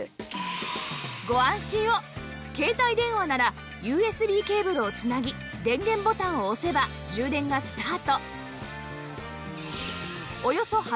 携帯電話なら ＵＳＢ ケーブルを繋ぎ電源ボタンを押せば充電がスタート